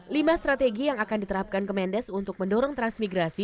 lima strategi yang akan diterapkan kemendes untuk mendorong transmigrasi